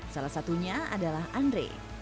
salah satunya adalah andre